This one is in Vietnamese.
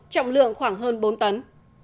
trọng lượng khoảng hơn bốn tấn